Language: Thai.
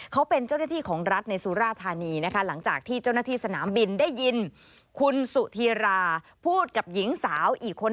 เขาเป็นเจ้าหน้าที่ของรัฐในสุราธารณีนะคะ